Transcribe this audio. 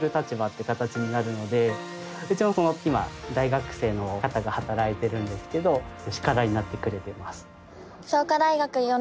うちもその今大学生の方が働いてるんですけど力になってくれてます。